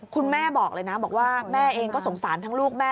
คุณแม่บอกเลยนะบอกว่าแม่เองก็สงสารทั้งลูกแม่